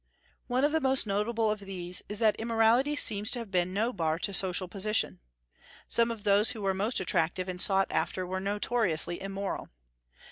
One of the most noticeable of these is that immorality seems to have been no bar to social position. Some of those who were most attractive and sought after were notoriously immoral.